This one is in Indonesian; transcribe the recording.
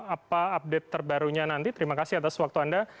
apa update terbarunya nanti terima kasih atas waktu anda